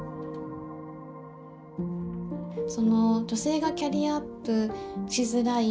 その女性がキャリアアップしづらい